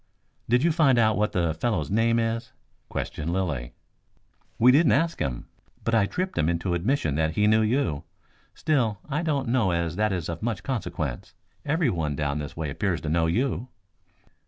"Did you find out what the fellow's name is?" questioned Lilly. "We didn't ask him. But I tripped him into an admission that he knew you. Still, I don't know as that is of much consequence. Everyone down this way appears to know you."